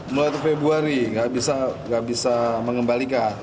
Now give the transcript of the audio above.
mulai februari nggak bisa mengembalikan